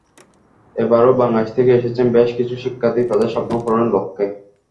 এবারও বাংলাদেশ থেকে এসেছেন বেশ কিছু শিক্ষার্থী তাঁদের স্বপ্ন পূরণের লক্ষ্যে।